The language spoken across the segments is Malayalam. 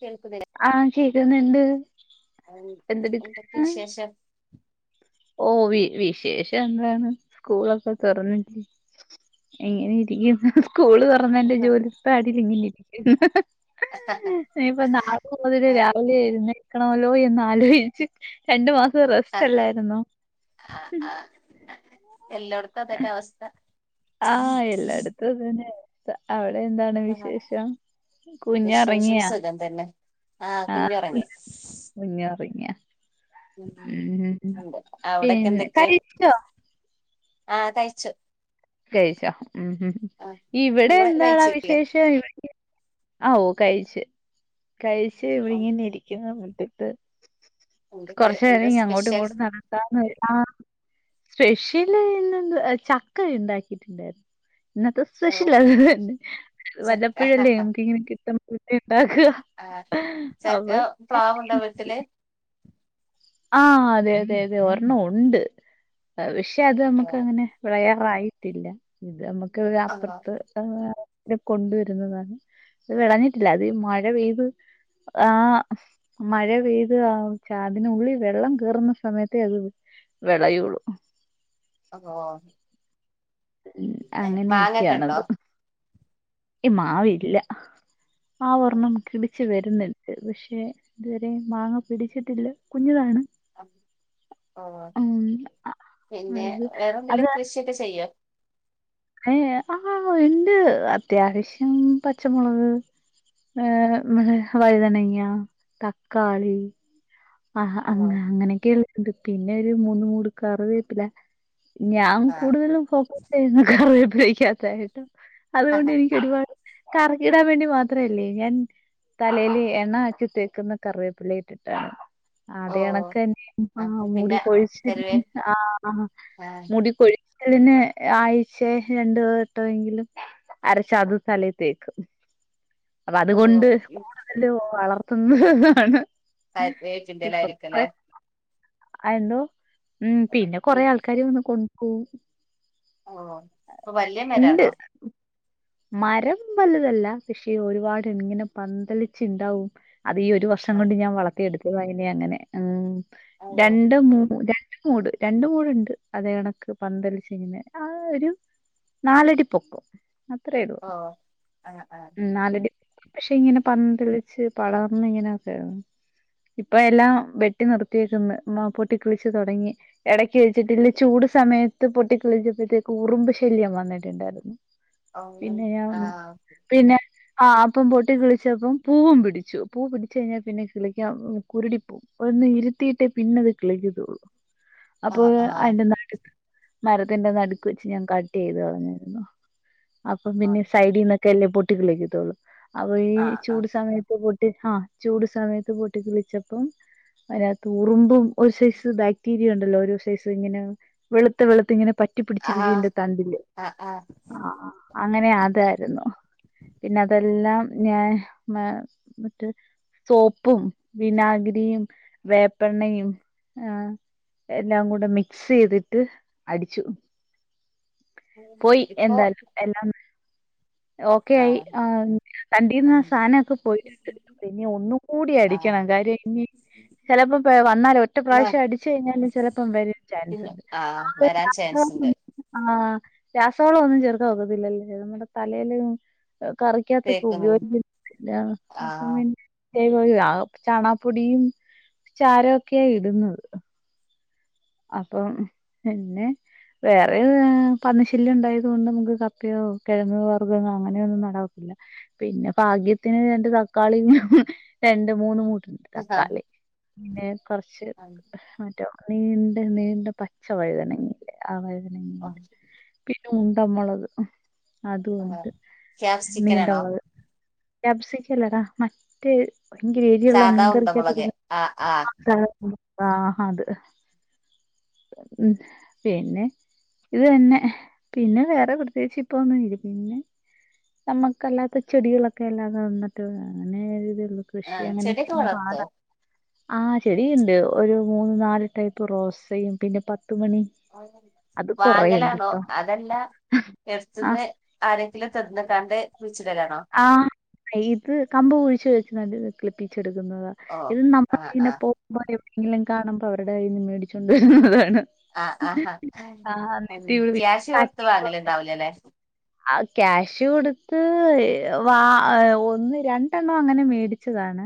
കേൾക്കുന്നില്ലേ ആഹ് കേക്കുന്നുണ്ട് അഹ് ന്തക്കേ എന്തെടുക്കാണ് വിശേഷം ഓ വി വിശേഷം എന്താണ് സ്കൂളൊക്കെ തുറന്നിട്ടേ എങ്ങനെ ഇരിക്കുന്നു സ്കൂള് തുറന്ന എന്റെ ജോലിപ്പാടിൽ ഇങ്ങനെ ഇരിക്കുന്നു ഹ് ഹ് ഇപ്പൊ നാളെ മുതല് രാവിലെ എരുന്നേക്കണമല്ലോ എന്ന് ആലോചിച്ച് രണ്ടു മാസം റെസ്റ്റ് അല്ലായിരുന്നു ആഹ് ആഹ് എല്ലായിടത്തും അതെന്ന അവസ്ഥ ന്നെ അവിടെ എന്താണ് ആ വിശേഷം കുഞ്ഞ് വിശേഷം ഉറങ്ങിയാ സുഖം തന്നെ ആഹ് കുഞ്ഞ് ഉറങ്ങി കുഞ്ഞുറങ്യാ ഉം ഉണ്ട് അവിടൊക്കെ പിന്നെ എന്തൊക്കെയ കഴിച്ചോ ആഹ് കയ്ച്ചു കഴിച്ചോ ഉം ഇവിടെ നിങ്ങള് എന്താണ് ആഹ് കഴിച്ചില്ലേ വിശേഷം ആഹ് ഓ കഴിച്ചു കഴിച്ച് ഇവിങ്ങ ഇരിക്കുന്നു എന്തൊക്കെ കുറച്ച എന്താ നേരം ഇ അങ്ങോട്ടും സ്പെഷ്യൽ ഇങ്ങോട്ടും നട ആഹ് സ്പെഷ്യല് ചക്ക ഉണ്ടാക്ക ഇന്നത്തെ ഓ സ്പെഷ്യല് തന്നെ ചക്ക വല്ലപ്പഴല്ലേ നമക്ക ഇങ്ങനെ കി എന്താക്കാ ആഹ് ചെൽഹ പ്ലാവുണ്ടൊ വീട്ടില് ആഹ് അതെ അതെ അതെ ഒരെണ്ണം ഉണ്ട് വെഷെ അത് ഓ നമ്മക്ക് അങ്ങനെ പ്രയറായിട്ടില്ല ഇത് നമ്മക്ക് ഓ അപ്പർത്ത് ഹ് കൊണ്ടുവരുന്നതാണ് ഇത് വെളഞ്ഞിട്ടില്ല അത് മഴ പെയ്ത് ആഹ് മഴ പെയ്ത് ആഹ് ചാതിനുള്ളിൽ വെള്ളം കേറുന്ന സമയത്തേ അത് വെ ളയുള്ളൂ അത്ഹോ മ്മ്ഹ് മാങ്ങൊക്കെ ഉണ്ടോ അങ്ങനെയൊക്കെയാണത് കി മാവില്ല മാവൊർണ്ണം ബുകെയിപ്പിച് ച് വരുന്നുണ്ട് പഷെ ഇതുവരെ മാങ്ങ പിടിച്ചിട്ടില്ല കുഞ്ഞുതാണ് അ ഓ പിന്നെ അത് വേറെന്തേലും കൃഷിയൊക്കെ ചെയ്യോ ഏഹ് ആഹ് ഇണ്ട് അത്യാവശ്യം പച്ചമൊളക് ഹെ ഹെ മളെ വഴുദനങ്ങ തക്കാളി ആഹ് ഓ അങ്ങ അങ്ങനെയൊക്കെയണ്ട് പിന്നെ ഒരു മൂന്ന് മൂട് കറിവേപ്പില ഞാൻ കൂടുതലും ഫോക്കസ് ചെയ്യുന്നേ കറിവെപ്പീലക്ക്യാത്താ അതുകൊണ്ട് ആഹ് എനിക്ക് ഒരുപാട് കറിക്കിടാൻ വേണ്ടി മാത്രം ല്ലേ എൻ തലേൽ എണ്ണ ആക്കി തേക്കുന്ന കറിവെപ്പില ഇട്ടിട്ടാണ് ഓ അതെ എണക്കന്നെ ആഹെ അപ്പം മുടി പിന്നെ കൊഴിച്ചിൽ കരുവേ ആഹ് ആഹ് മുടി കൊഴി ക്കെതിന് ആയ്ചേ രണ്ടു വട്ട എങ്കിലും അരച്ചതും തലേതേക്കും അപ്പ ഓ അതുകൊണ്ട് കൂടുതല് വളർത്തുന്നതാണ് പരപേര്ച്ചിന്തേലായിക്കലേ ആഹ് എന്തോ മ്മ്ഹ് പിന്നെ കൊറെ ആൾക്കാര്ന്ന് കൊണ്ടു പോവും ആഹ് ആഹ് ഇപ്പൊ വല്ല്യ മരാണോ മ്മ്ഹ് മരം വലുതല്ല പഷേ ഒരുപാട്ങ്ങനെ പന്തളിച്ചുണ്ടാവും അത് ഈ ഒരുവർ ആഹ് ഷംകൊണ്ട് ഞാൻ വളത്തിയെടുത്തതായ്നെങ്ങനെ. ഉം. ഓ രണ്ട് മൂ. ര മൂട് രണ്ട് മൂടുണ്ട് അതേണക്ക്. പന്തലിച്ചിങ്ങനെ. ആ ഒരു.. നാലടി പൊകൊ. അത്രേള്ളു. ഓ ആഹ് ആഹ് ഉം നാലടി.. പഷെ ഇങ്ങനെ പന്തളിച്ച് പളർന്ന്ങ്ങനെ കേ.. ഇപ്പ എലാം വെട്ടി നിർത്തിയേക്ക്ന്ന് മാ പൊട്ടി കിളിച്ച് തൊടങ്ങി.. എടക് വെച്ചിട്ടില്ല ചൂട് സമയത്ത് പൊട്ടിക്കിളിച്ചപ്പത്തേകും ഉറുമ്പ് ശല്യം വന്നിട്ടുണ്ടായിര്ന്ന് ഓ പിന്നെയാമൊ. പിന്നെ.. ആഹ് അപ്പം പൊട്ടി കിളിച്ചപ്പം പൂവും പിടിച്ചു. പൂ പിടിച്ചു കഴിഞ്ഞാ പിന്നെത് കിളിക്കാ കുരുടിപ്പോ.. ഒന്നിരുത്തീട്ടേ പിന്നത് കിളിക്കതോള്ളു. അപ്പൊ ആഹ് ആഹ് അയിന്റെ നട്ക്. മരത്തിന്റെ നടുക്ക് വെച്ച് ഞാൻ കട്ട് ചെയ്ത് കളഞ്ഞിര്ന്നു അപ്പം പിന്നെ ആഹ് സൈഡിനോ.. ക്കല്ലേ പൊട്ടിളിക്കത്തോള്ളു. അപ്പൊ ഈ ആഹ് ചൂട് ആഹ് സമയത്ത് പൊട്ട്.. ട്ടി ഹാ ചൂട് സമയത്ത് പൊട്ടി കിളിച്ചപ്പം അയിനാത്ത്.. ഉറുമ്പും ഒരു സൈസ് ബാക്ടീരിയൊണ്ടല്ലോ ഓരോ സൈസ് ഇങ്ങനെ വെളുത്ത് വെളുത്ത് ഇങ്ങനെ പറ്റ്. റ്റി പിടിച്ചിരിക്ണ്ട് ആഹ് തണ്ടില് ആഹ് ആഹ് ആ അങ്ങനെ അതാരുന്നു.. പിന്നതെല്ലാം ഞാൻ മേ ന്ന്ട്ട്. സോപ്പും വിനാഗിരിയും വേപ്പ് പെണ്ണയും ആ എല്ലാം കൂടെ മിക്സ് യ്തിട്ട് അടിച്ചു.. പോയി ഇപ്പൊ എന്താലും എല്ലാം.. ഓക്കെ ആയി. ആഹ് ആം. തണ്ടീന്ന് സാനൊക്കെ പോയിട്ട്ണ്ട്. പിന്നെ ഒന്നും കൂടി ആഹ് അടിക്കണം കാര്യം ഇന്നി ചെലപ്പം പെ വന്നാലോ ഒറ്റ മ പ്രാശം അടിച്ച് കഴിഞ്ഞാലും ചെലപ്പം വരും.. പിന്നെ ചാൻസ്ണ്ട്. ആഹ് വരാൻ ചാൻസ് ഉണ്ട് ആ [inaudible] ആഹ് രാസവളവൊന്നും ചേർക്കാ ഒക്കത്തില്ലല്ലേ. നമ്മടെ. തലേല് കറിക്കാത്തൊക്കെ തേക്കുന്നത് ഉപയോഗിക്കി ല്ല. അപ്പം ആഹ് പിന്നെ.. അതേപോല ആഹ് ചാണാപ്പൊടിയും ചാരോക്കെയാ ഇട്ന്നത്. അപ്പം പിന്നെ വേറെത് പന്നിശല്യംണ്ടായത്കൊണ്ട് നമുക്ക് കപ്പയോ കെഴങ്ങ് വർഗ്ഗമോ അങ്ങനെയൊന്നും നടാൻ ഒക്കില്ല. പിന്നെ പാഗ്യത്തിന് രണ്ട് തക്കാളീം രണ്ട് മൂന്ന് മു ണ്ട് തക്കാളി പിന്നെ കൊറച്ച് മറ്റോ നീ ഒര് നീണ്ട പച്ച വഴുതനങ്ങയില്ലേ ആ വഴതനങ്ങ. ആഹ് ശെരി പിന്നെ ഉണ്ടമൊളക് ആഹ് അതുംഒണ്ട് നീണ്ട ക്യാപ്സിക്കനാണോ മൊളക് ക്യാപ്‌സിക്കല്ലടാ മറ്റേ ഭയങ്കരഎരിയൊള്ള സാധാ മീൻ ഉണ്ടമുളക് കറിക്കാത്തിടുന്നെ ആഹ് ആഹ് [unintelligible] ആഹ് അത് ഉം പിന്നെ ഇത് തന്നെ പിന്നെ വേറെ പ്രത്യേകിച്ച് ഇപ്പം ഒന്നും ഇല്ല. പിന്നെ നമുക്കല്ലാത്ത ചെടികളൊക്കെ അല്ലാതെ വന്നിട്ട് അങ്ങനെരിതേള്ളു കൃഷി ആഹ് അങ്ങനെ ചെടിയൊക്കെ ചെയ്യാൻ വളർത്തോ പാടാ. ആ ചെടിയ്ണ്ട് ഒരു മൂന്ന് നാല് ടൈപ്പ് റോസയും പിന്നെ പത്തുമണി. അത് കുറേ ഉണ്ട് വാങ്ങലാണോ? കേട്ടോ അതല്ല ആ എട്ത്ത്ന്ന് ആരെങ്കിലും തന്ന്ക്കാണ്ട് കുഴിച്ചിടലാണോ? ആഹ് ഇത് കമ്പ് കുഴിച്ചു വെച്ച്നട്ട്. കിളിപ്പിച്ചെടുക്കുന്നതാ ഓഹ് ഇത് ആഹ് നമ്മളിങ്ങനെ ആഹ് പോ [unintelligible] എവിടെയെങ്കിലും കാണുമ്പ അവരടെ കയ്യീന്ന് മേടിച്ചോണ്ട് വരുന്നതാണ് ആഹ് ആഹാ ആഹ് എന്നിട്ട് ഉം ക്യാഷ് കൊടുത്ത് [unintelligible] വാങ്ങലുണ്ടാവൂലല്ലേ ആഹ് ക്യാഷ് കൊടുത്ത് വാ ഒന്ന് രണ്ടെണ്ണം അങ്ങനെ മേടിച്ചതാണ്.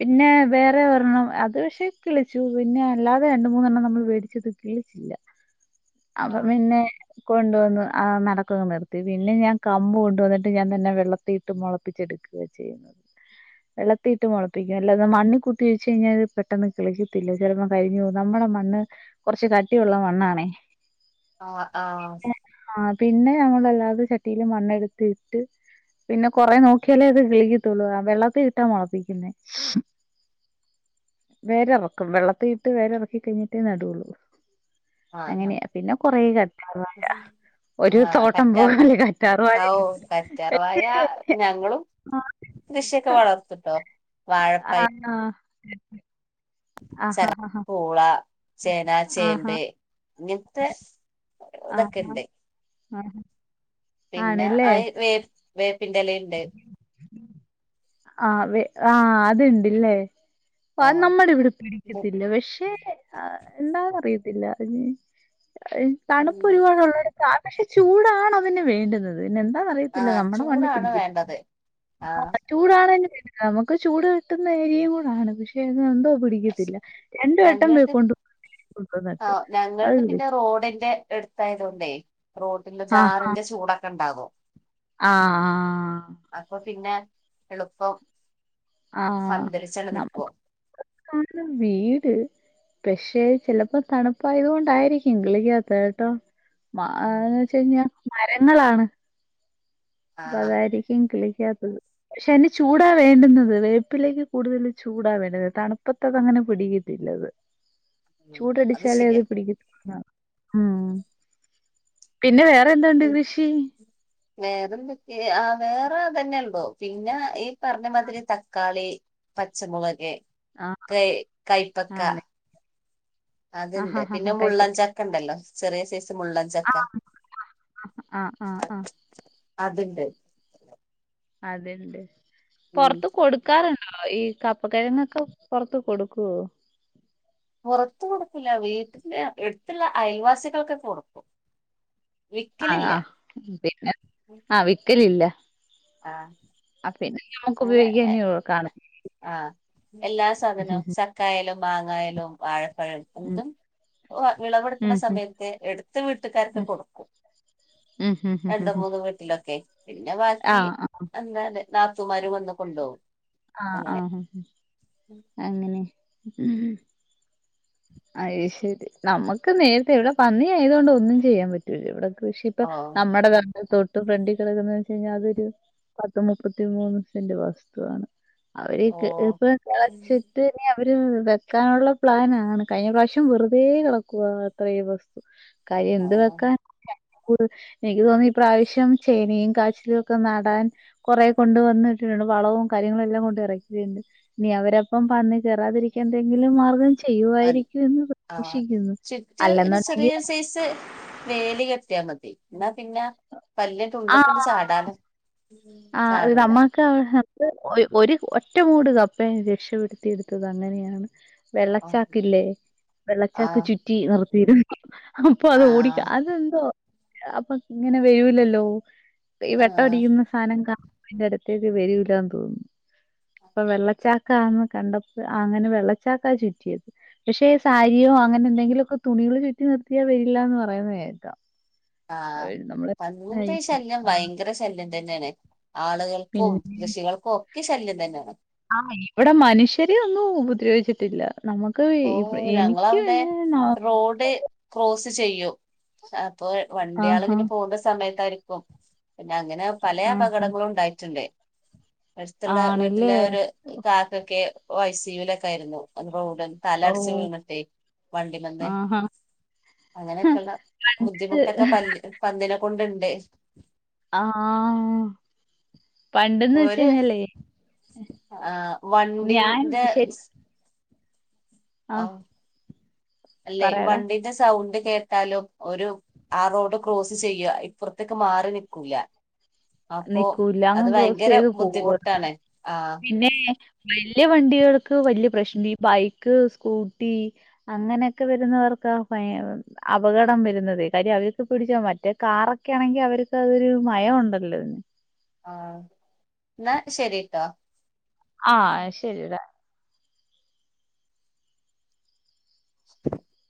പിന്നെ വേറെ ഒരെണ്ണം അത് പഷേ കിളിച്ചു പിന്നെ അല്ലാതെ രണ്ട് മൂന്നെണ്ണം നമ്മള് വേടിച്ചത് കിളി ച്ചില്ല അപ്പൊ ആഹ് പിന്നെ കൊണ്ടുവന്ന് ആ നടക്കവങ്ങ് നിർത്തി പിന്നെ ഞാൻ കമ്പ് കൊണ്ടുവന്നിട്ട് ഞാൻ തന്നെ വെ വെള്ളത്തിയിട്ട് മൊളപ്പിച്ചെടുക്ക ചെയ്യുന്നത് വെള്ളത്തിട്ട് മൊളപ്പിക്കും അല്ലാതെ മണ്ണിക്കുത്തിവെച്ച് കഴിഞ്ഞാ പെട്ടെന്ന് കിളിക്കത്തില്ല ചെലപ്പം കരിഞ്ഞ്പോവും നമ്മടെ മണ്ണ് കൊറച്ച് കട്ടിയൊള്ള മണ്ണാണേ. ആഹ് ആഹ് ആഹ് പിന്നെ ഞങ്ങള് അല്ലാതെ ചട്ടില് മണ്ണെട്ത്തിട്ട് പിന്നെ കൊറേ നോക്കിയാലേ അത് കിളിക്കത്തൊള്ളു ആഹ് വെള്ളത്തിയിട്ടാ മൊളപ്പിക്ക്‌ന്നേ വേരെറക്കും വെള്ളത്തി ഇട്ട് വേര് ഇറക്കി കഴിഞ്ഞിട്ടേ നടുവൊള്ളൂ. ആഹ് അങ്ങനെയാ പിന്നെ കൊറേ കറ്റാർ വാഴ ഒര് ആഹ് തോട്ടം കറ്റാർ പോലെ കറ്റാർ വഴയൊണ്ട്. അയാ ഞങ്ങളും കൃഷിയൊക്കെ വളർത്തുട്ടോ. വാഴപ്പഴം, ആന്നോ ച പൂള ചേനാ ആഹാ. ചേമ്പേ ഇങ്ങൻത്തെ ആഹ് ആഹ് ആഹ് പിന്നെ അയ് വേ വേപ്പിന്റെലണ്ട്. ആഹ് വേ ആഹ് അത്ണ്ടിലേ ആ പ്പത് നമ്മടെ ഇവ്ടെ ഇത് പിടിക്കത്തില്ല പഷേ ആഹ് എന്താന്ന് അറിയത്തില്ല ഞ്ഞി തണ്പ്പ് ഉം ഒര്പാടൊള്ളട [unintelligible] പഷേ ചൂടാണ് അതിന് വേണ്ടുന്നത് പിന്നെ ആ എന്താന്നറിയത്തില്ല നമ്മടെ മണ്ണി ചൂടാണ് പിടിക്കു വേണ്ടത്. ആ ആഹ് ചൂടാണെലുംവേണ്ടില്ല നമുക്ക് ചൂട് കിട്ടുന്ന ഏരിയേകൂടാണ് പഷേത് എന്തോ പിടിക്കത്തില്ല രണ്ട് വട്ടം കൊണ്ടു ആഹ് ഞങ്ങൾദ് പിന്നെ റോഡിന്റെ എടുത്തായതൊണ്ടേ റോ പിന്നെ ചാറിന്റെ ചൂടൊക്കെണ്ടാവും. ആഹ് ആഹ് അപ്പ പിന്നെ എള്പ്പം പന്തലിച്ചണ് നൽക്കും. ആഹ് വീട്. പക്ഷെ ചിലപ്പോ തണുപ്പായത് കൊണ്ടായിരിക്കും കിളിക്കാത്തെ കേട്ടോ? [unintelligible] വെച്ച കഴിഞ്ഞാൽ മരങ്ങളാണ്. ആ പതായിരിക്കും ഇ കിളിക്കാത്തത്. പക്ഷെ അതിന് ചൂടാ വേണ്ടുന്നത് വേപ്പിലക്ക് കൂടുതൽ ചൂടാ വേണ്ടുന്നത് തണുപ്പത്ത്. ത്തത് അങ്ങനെ പിടിക്കത്തിലത്. ചൂട് അടിച്ചാലേ അത് പിടിക്ക ത്തൊള്ളു ആ ഉം പിന്നെ വേറെ എന്താണ്ട് കൃഷി? വേറെന്തൊക്കെ ആഹ് വേറെ അതന്നെ ഉണ്ടോ പിന്നെ ഈ പറഞ്ഞ മാതിരി തക്കാളി. പച്ചമുളക് ആ കൈകൈപ്പക്ക. ആനെ അത്ണ്ട് ആഹാഹാഹാ പിന്നെ കൈപ്പക്ക മുള്ളൻചക്ക ഉണ്ടല്ലോ ചെറിയ സൈസ് മുള്ളചക്ക. ആ ആ ആ ചക്ക അത്ണ്ട്. അത്ണ്ട് ഉം പൊറത്ത് കൊടുക്ക. കാറുണ്ടോ ഈ കപ്പ കൊഴങ്ങൊക്കെ പുറത്ത് കൊടുക്കുവോ? പുറത്ത് കൊടുക്കുല്ല വീട്ടില് എടുത്തുള്ള അയൽവാസികൾ കൊക്കെ കൊട്ക്കും. ആഹ് ആഹ് പിന്നെ ആ. വിക്കലില്ല. ആഹ് ആഹ് പിന്നെ നമ്മക്ക് അങ്ങനെ ഉപയോഗിക്ക കാണ ആഹ് എല്ലാ ഉം സാധനവും ചക്കായാലും മാങ്ങായാലും വാഴപ്പഴം. ഉം എന്തും വിളവെടുക്കണ ഉം ഉം സമയത്ത് എടുത്ത് വീട്ടുകാർക്ക് കൊടുക്കും. ഉം ഉം ഉം രണ്ട് ഉം ഉം മൂന്ന് വീട്ടിലൊക്കെ പിന്നെ ബാക്കി ആഹ് ആഹ് അങ്ങനെ. നാത്തു ൻമാരും വന്ന് കൊണ്ടോകും. ആഹ് ആഹ് അങ്ങനെ. അ യ്ശരി നമുക്ക് നേരത്തെ ഇവിടെ പന്നി ആയത് കൊണ്ട് ഒന്നും ചെയ്യാൻ പറ്റു. റ്റു ല ഇവിടെ കൃഷി ഇപ്പ ഓ നമ്മുടെ. തൊട്ട് ഫ്രണ്ടിൽ കിടക്കുന്ന വെച്ച് കഴിഞ്ഞാൽ അതൊരു പത്ത്മുപ്പത്തി മൂന്ന് സെന്റ് വസ്തുവാണ്. അവര് ഓ ഇപ്പ കളച്ചിട്ട് ഇനി അവര് വെക്കാനുള്ള പ്ലാനാണ്. കഴിഞ്ഞ പ്രാവശ്യം വെറുതെ കെടക്കുക അത്രേയും വസ്തു കാര്യം എന്ത് വെക്കാൻ. എനിക്ക് തോന്നി ഈ പ്രാവശ്യം ചേനയും കാച്ചിലും ഒക്കെ നടാൻ. കൊറേ കൊണ്ട് വന്നിട്ടിട്ടുണ്ട് വളവും കാര്യങ്ങളും എല്ലാ കൊണ്ട് എറക്കിണ്ട്. ഇനീ അവരപ്പം പന്നി കേറാതിരിക്കാൻ എന്തെങ്കിലും മാർഗം ചെയ്യുവായിരിക്കും. എന്ന് ആ പ്രതീക്ഷിക്കുന്നു ചിറ്റ് ഒരു അല്ലെന്നുണ്ടെങ്കിൽ ചെറിയ സൈസ്. വേലി കെട്ട്യാ മതി ഇന്നാ പിന്നെ പന്നി ഉള്ള് ക്കണ്ട് ചാടാതെ. ആഹ് ഇത് നമ്മെ ഒരു ഒറ്റമൂട് കപ്പയെ രക്ഷപ്പെടുത്തി എടുത്തത് അങ്ങനെയാണ്. വെള്ളച്ചാക്ക് ആഹ് ഇല്ലേ വെള്ളച്ചാക്ക് ആഹ് ചുറ്റി നിർത്തിരുന്നു. അപ്പൊ അത് ഓടിക്ക അതെന്തോ അപ്പൊ ഇങ്ങനെ വയൂലല്ലോ? ഈ വെട്ടം ആഹ് അടിക്കുന്ന സാധനം കാണ അതിന്റെ അടുത്തേക്ക് വരൂലാന്ന് തോന്നുന്നു അപ്പൊ വെള്ളചാ ന്ന് കണ്ടപ്പോ അങ്ങനെ വെള്ളച്ചാക്കാ ചുറ്റിയത് പക്ഷെ സാരിയോ അങ്ങനെ എന്തെങ്കിലും ഒക്കെ. തുണികള് ചുറ്റി നിർത്തിയാ വരില്ല എന്ന് പറയുന്ന കേക്ക. ആഹ് പന്നിന്റെ ഈ ആയിരിക്കും ശല്യം ഭയങ്കര ശല്യം തന്നെ ആണ് ആളുകൾ. ക്കും പിന്നെ കൃഷികൾക്കും ഒക്കെ ശല്യം തന്നെയാണ്. ആഹ് ഇവിടെ മനുഷ്യരെ ഒന്നും ഉപദ്രവിച്ചിട്ടില്ല. നമുക്ക്. ഓ ഇവ- എനിക്ക് ഞങ്ങളവ്ടെ പിന്നെ ന- റോഡ്. ക്രോസ് ചെയ്യും അപ്പൊ വണ്ട്യാള് ആഹാ ഇങ്ങനെ പോവുണ്ട. സമയത്തായിരിക്കും പിന്നെ അങ്ങനെ പലേ ആഹാ അപകടങ്ങളും ഉണ്ടായിട്ട്ണ്ട്. അടുത്തുള്ള വീട്ടിലെ ആണല്ലേ ഒരു താത്തൊക്കെ ഒ എസി യു ലൊക്കെ ആയിരുന്നു അപ്പോ ഉടൻ. തല ഓ അട്ച് വീണിട്ടേ വണ്ടിമന്ന്. ആഹാ അങ്ങനെ ഒക്കെള്ള ബുദ്ധിമുട്ടൊക്കെ പ പന്നിനെ കൊണ്ടുണ്ട്. ആഹ് പണ്ട്ന്ന് വെച്ച് ഒരു കഴിഞ്ഞാലേ? ആ, ഞാൻ വണ്ടിന്റെ ശരി ആ ആഹ് അല്ലെ പറയടാ വണ്ടീന്റെ സൗണ്ട് കേട്ട ട്ടാലും ഒരു ആ റോഡ് ക്രോസ് ചെയ്യ ഇപ്പറ്ത്ത്ക്ക് മാറി നിക്കൂല അപ്പൊ നിക്കൂല്ല അത് അങ്ങ് ക്രോസ് ഭയങ്കര ചെയ്ത് പോവുക ബുദ്ധിമുട്ടാണ്. ആ പിന്നെ വല്യ വണ്ടികൾക്ക് വല്യ പ്രശ്നണ്ട് ഈ ബൈക്ക് സ്കൂട്ടി അങ്ങനെയൊക്കെ വരുന്നവർക്ക് ആ ഭയ അപകടം വെരുന്നതെ. കാര്യം അവർക്ക് പിടിച്ച മറ്റേ കാറൊക്കെ ആണെങ്കി അവർക്ക് അതൊരു മയൊ ഉണ്ടല്ലോ. ആഹ് എന്നാ ശരിട്ടാ ആഹ് ശെരിടാ [unintelligible]